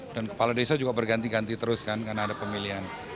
dan kepala desa juga berganti ganti terus kan karena ada pemilihan